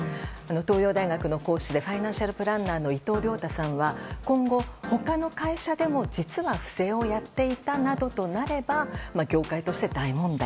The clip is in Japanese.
東洋大学の講師でファイナンシャルプランナーの伊藤亮太さんは今後、他の会社でも実は不正をやっていたなどとなれば業界として大問題。